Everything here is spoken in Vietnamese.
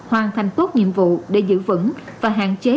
làm tốt nhiệm vụ để giữ vững và hạn chế